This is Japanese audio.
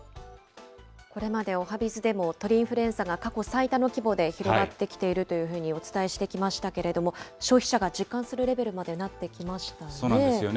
これまでおはＢｉｚでも、鳥インフルエンザが過去最多の規模で広がってきているというふうにお伝えしてきましたけれども、消費者が実感するレベルまでなってきましたね。